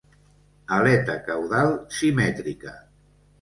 Aleta caudal simètrica.